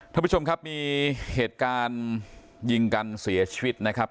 ท่านผู้ชมครับมีเหตุการณ์ยิงกันเสียชีวิตนะครับ